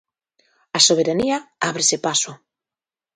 A soberanía ábrese paso.